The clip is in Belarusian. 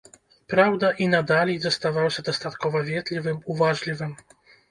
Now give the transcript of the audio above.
Праўда, і на далей заставаўся дастаткова ветлівым, уважлівым.